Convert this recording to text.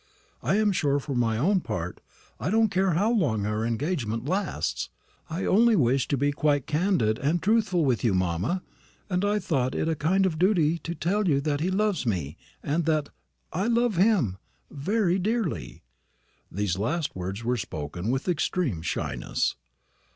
I am sure, for my own part, I don't care how long our engagement lasts. I only wish to be quite candid and truthful with you, mamma; and I thought it a kind of duty to tell you that he loves me, and that I love him very dearly." These last words were spoken with extreme shyness.